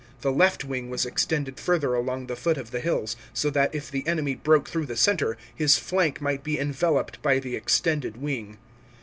The left wing was extended further along the foot of the hills, so that if the enemy broke through the centre, his flank might be enveloped by the extended wing.